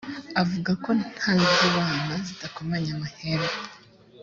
uvuga ko ntazibana zidakomya amahembe